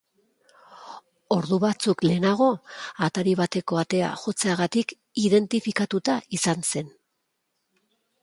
Ordu batzuk lehenago, atari bateko atea jotzeagatik identifikatua izan zen.